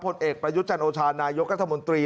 ผลเอกประยุทธ์จันโอชานายกรัฐมนตรี